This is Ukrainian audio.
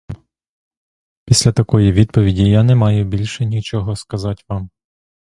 Після такої відповіді я не маю більше нічого сказать вам.